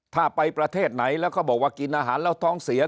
ถ้าไปประเทศไหนแล้วก็บอกว่ากินอาหารแล้วท้องเสีย